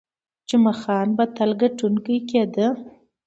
جمعه خان به تل ګټونکی کېده.